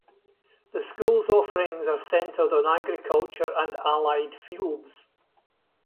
The school's offerings are centered on agriculture and allied fields.